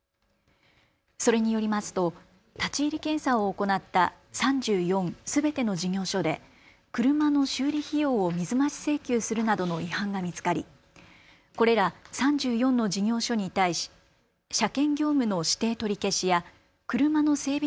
それによりますと立ち入り検査を行った３４すべての事業所で車の修理費用を水増し請求するなどの違反が見つかりこれら３４の事業所に対し車検業務の指定取り消しや車の整備